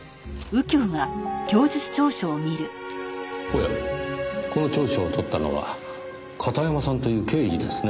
おやこの調書をとったのは片山さんという刑事ですねぇ。